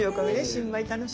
新米楽しみ。